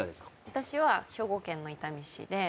私は兵庫県の伊丹市で。